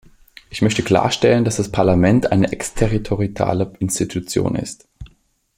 Ich möchte klarstellen, dass das Parlament eine exterritoriale Institution ist.